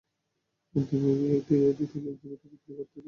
দুই মেয়ের বিয়ে দিতে গিয়ে সেই ভিটা বিক্রি করে দিতে হয়েছে।